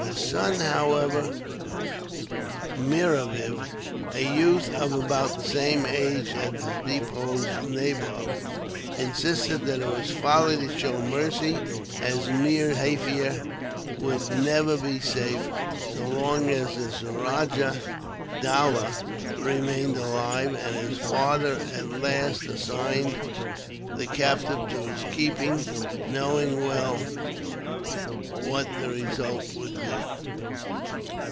His son, however, Mirav, a youth of about the same age as the deposed nabob, insisted that it was folly to show mercy; as Meer Jaffier would never be safe, so long as Suraja Dowlah remained alive; and his father, at last, assigned the captive to his keeping, knowing well what the result would be.